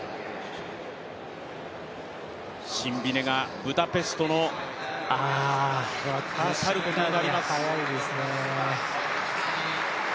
シンビネがブダペストを去ることになります。